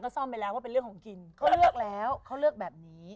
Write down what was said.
เขาเป็นเรื่องของกินเขาเลือกแล้วเขาเลือกแบบนี้